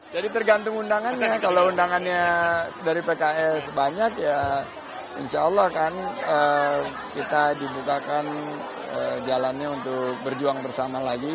jadi tergantung undangannya kalau undangannya dari pks banyak ya insya allah kan kita dibukakan jalannya untuk berjuang bersama lagi